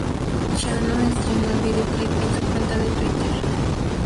Chano estrenó el videoclip en su cuenta de Twitter.